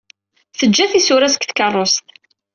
Teǧǧa tisura-s deg tkerrust.